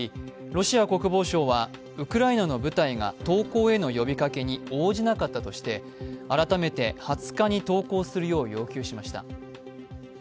ロシア国防省はウクライナの部隊が投降への呼びかけに応じなかったとして改めて２０日に投降するよう要求しました。